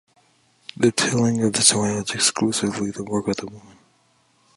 The tilling of the soil is exclusively the work of the women.